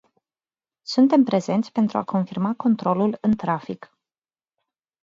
Suntem prezenți pentru a confirma controlul în trafic.